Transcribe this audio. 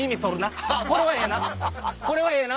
これはええな？